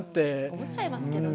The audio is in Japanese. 思っちゃいますけどね。